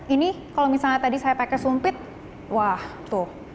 ini kalau misalnya tadi saya pakai sumpit wah tuh